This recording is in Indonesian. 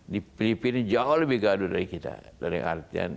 di filipina jauh lebih gaduh dari kita